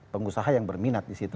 pengusaha yang berminat di situ